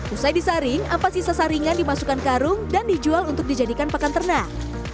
usai disaring ampat sisa saringan dimasukkan karung dan dijual untuk dijadikan pakan ternak